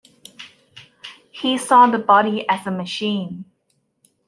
He saw the body as a machine.